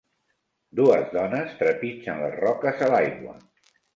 Dues dones trepitgen les roques a l'aigua